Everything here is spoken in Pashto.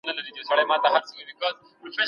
د سرچینو کمښت د نوښت له لاري حل کېږي.